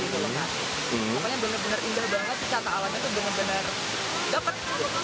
pokoknya benar benar indah banget pesatawannya itu benar benar dapat